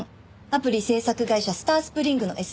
アプリ制作会社スタースプリングのＳＥ。